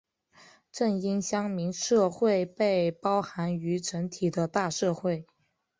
正因乡民社会被包含于整体的大社会。